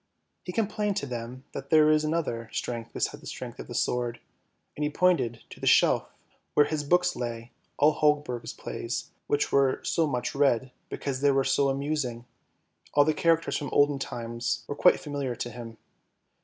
He complained to them that there is another strength besides the strength of the sword, and he pointed to the shelf where his old books lay, all Holberg's plays, which were so much read, because they were so amusing; all the characters from olden times were quite familiar to him.